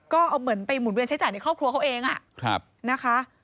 ก็เอาเหมือนไปหมุนเวียนใช้จ่ายในครอบครัวเขาเองนะคะ